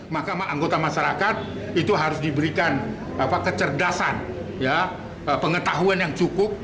maka anggota masyarakat itu harus diberikan kecerdasan pengetahuan yang cukup